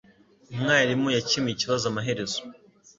Umwarimu yakemuye ikibazo amaherezo.